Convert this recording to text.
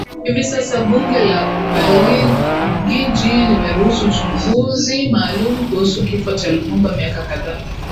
Hivi sasa Bunge la Ubeligiji limeruhusu uchunguzi maalumu kuhusu Kifo cha Lumumba miaka kadhaa